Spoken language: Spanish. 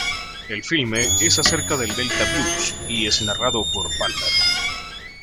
El filme es acerca del Delta blues y es narrado por Palmer.